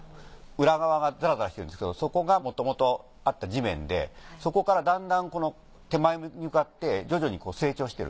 裏側がザラザラしてるんですけどそこがもともとあった地面でそこからだんだん手前に向かって徐々に成長してる。